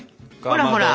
ほらほら。